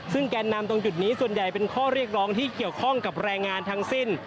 ซึ่งแกนนำตรงจุดนี้ส่วนใหญ่เป็นข้อเรียกร้องที่เกี่ยวข้องกับแรงงานทั้งสิ้น